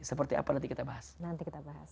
seperti apa nanti kita bahas